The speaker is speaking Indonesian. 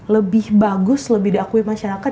lebih bagus lebih diakui masyarakat